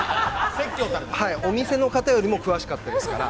お店の方よりも、詳しかったですから。